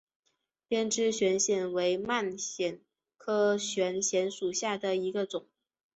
鞭枝悬藓为蔓藓科悬藓属下的一个种。